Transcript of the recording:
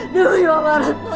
demi bapak ratu